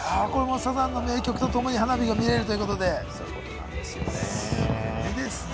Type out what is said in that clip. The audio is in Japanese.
サザンの名曲とともに花火が見られるということで、すごいですね。